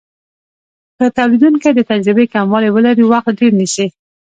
که تولیدونکی د تجربې کموالی ولري وخت ډیر نیسي.